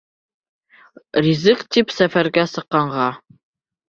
Ризыҡ тип сәфәргә сыҡҡанға